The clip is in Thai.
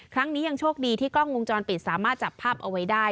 ครั้งนี้ยังโชคดีที่กล้องวงจรปิดสามารถจับภาพเอาไว้ได้